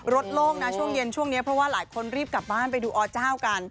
โล่งนะช่วงเย็นช่วงนี้เพราะว่าหลายคนรีบกลับบ้านไปดูอเจ้ากัน